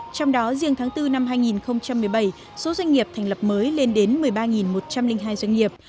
trong đó riêng tháng bốn năm hai nghìn một mươi bảy số doanh nghiệp thành lập mới lên đến một mươi ba một trăm linh hai doanh nghiệp